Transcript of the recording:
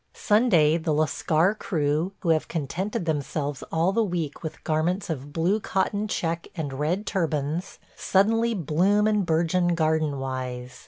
... Sunday the Lascar crew, who have contented themselves all the week with garments of blue cotton check and red turbans, suddenly bloom and burgeon garden wise.